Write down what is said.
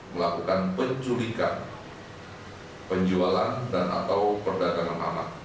melakukan penculikan penjualan dan atau perdagangan anak